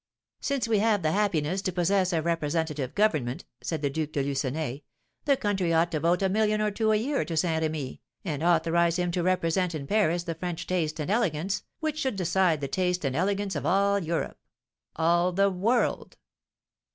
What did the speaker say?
"Since we have the happiness to possess a representative government," said the Duke de Lucenay, "the country ought to vote a million or two a year to Saint Remy, and authorise him to represent in Paris the French taste and elegance, which should decide the taste and elegance of all Europe, all the world."